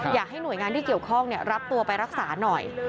อยากให้หน่วยงานที่เกี่ยวข้องรับตัวไปรักษาหน่อย